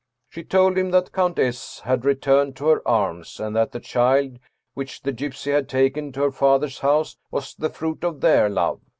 She told him that Count S. had returned to her arms, and that the child which the gypsy had taken to her father's house was the fruit of their love.